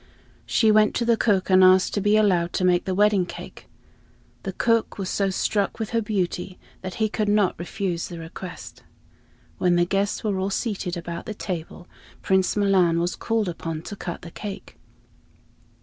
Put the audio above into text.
She went to the cook and asked to be allowed to make the wedding cake. The cook was so struck with her beauty that he could not refuse the request. When the guests were all seated about the table, Prince Milan was called upon to cut the cake.